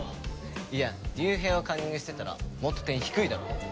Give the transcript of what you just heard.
いや龍平をカンニングしてたらもっと点低いだろ。